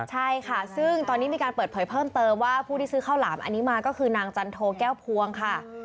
ใช่ค่ะซึ่งตอนนี้มีการเปิดเผยเพิ่มเติมว่าผู้ที่ซื้อข้าวหลามอันนี้มาก็คือนางจันโทแก้วพวงค่ะ